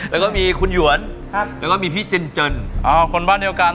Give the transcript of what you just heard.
แล้วก็มีคุณหยวนแล้วก็มีพี่เจนเจินคนบ้านเดียวกัน